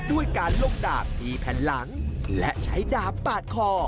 ด้วยการลงดาบที่แผ่นหลังและใช้ดาบปาดคอ